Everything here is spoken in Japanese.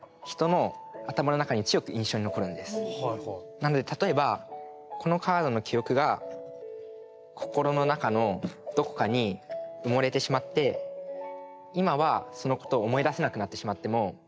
なので例えばこのカードの記憶が心の中のどこかに埋もれてしまって今はそのことを思い出せなくなってしまっても。